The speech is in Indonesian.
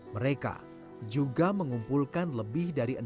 mereka juga mengumpulkan lebih dari enam dukungan